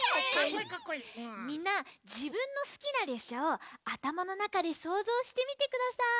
みんなじぶんのすきなれっしゃをあたまのなかでそうぞうしてみてください。